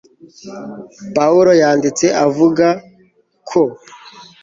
pawulo yanditse avuga ko